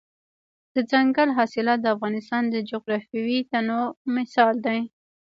دځنګل حاصلات د افغانستان د جغرافیوي تنوع مثال دی.